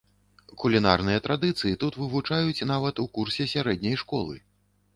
Кулінарныя традыцыі тут вывучаюць нават у курсе сярэдняй школы.